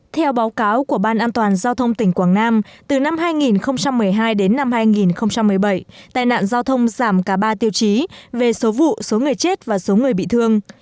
theo báo cáo của ban an toàn giao thông tỉnh quảng nam từ năm hai nghìn một mươi hai đến năm hai nghìn một mươi bảy tai nạn giao thông giảm cả ba tiêu chí về số vụ số người chết và số người bị thương